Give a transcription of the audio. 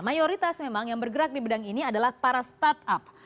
mayoritas memang yang bergerak di bidang ini adalah para startup